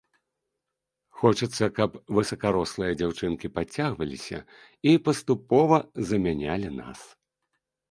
Хочацца, каб высакарослыя дзяўчынкі падцягваліся і паступова замянялі нас.